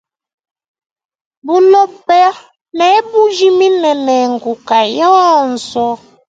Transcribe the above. Buloba ne bujimine ne nkuka yonso.